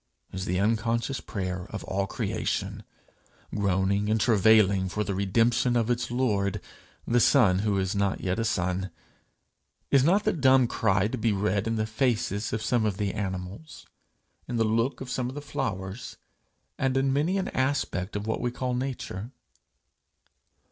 is the unconscious prayer of all creation, groaning and travailing for the redemption of its lord, the son who is not yet a son. Is not the dumb cry to be read in the faces of some of the animals, in the look of some of the flowers, and in many an aspect of what we call Nature?